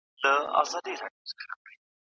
لارښود استاد د ادارې شورا لخوا ټاکل کېږي.